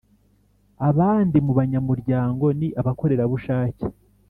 Abandi mu banyamuryango ni abakorerabushake